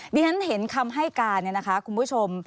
ดิฉันเห็นคำให้การเนี่ยนะคะคุณผู้ชม